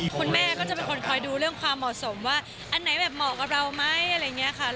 คุณแม่ก็จะเป็นคนคอยดูเรื่องความเหมาะสมว่าอันไหนแบบเหมาะกับเราไหมอะไรอย่างนี้ค่ะ